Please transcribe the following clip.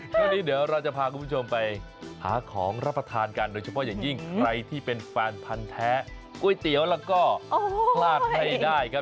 ช่วงนี้เดี๋ยวเราจะพาคุณผู้ชมไปหาของรับประทานกันโดยเฉพาะอย่างยิ่งใครที่เป็นแฟนพันธ์แท้ก๋วยเตี๋ยวแล้วก็พลาดไม่ได้ครับ